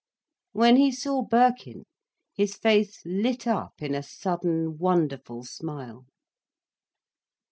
When he saw Birkin his face lit up in a sudden, wonderful smile.